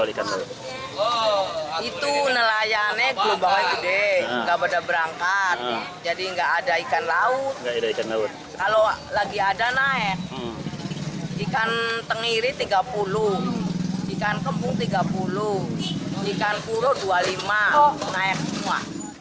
ikan tenggiri rp tiga puluh ikan kembung rp tiga puluh ikan kuru rp dua puluh lima naik semua